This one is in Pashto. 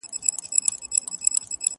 د لړم په څېر يې وار لکه مرگى وو.!